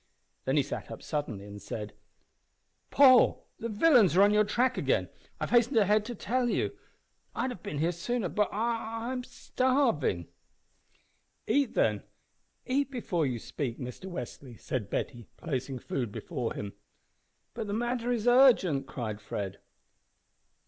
Then he sat up suddenly, and said "Paul, the villains are on your track again. I've hastened ahead to tell you. I'd have been here sooner but but I'm starving." "Eat, then eat before you speak, Mr Westly," said Betty, placing food before him. "But the matter is urgent!" cried Fred.